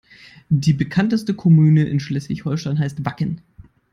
Die bekannteste Kommune in Schleswig-Holstein heißt Wacken.